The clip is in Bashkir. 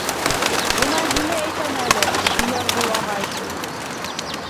Бына һине әйтәм әле, Һөйәрғол ағай.